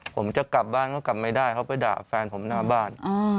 ผมจะกลับบ้านก็กลับไม่ได้เขาไปด่าแฟนผมหน้าบ้าน